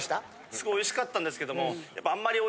すごいおいしかったんですけども。